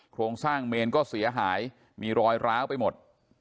โครงสร้างเมนก็เสียหายมีรอยร้าวไปหมด